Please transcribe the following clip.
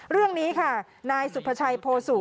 เรื่องนี้ค่ะนายสุภาชัยโพสุ